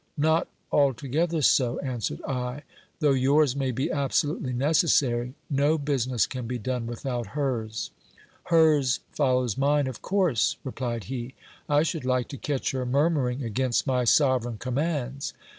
Not altogether so, answered I ; though yours may be absolutely necessary, no business can be done without hers. Hers follows mine of course, replied he ; I should like to catch her murmuring against my sovereign commands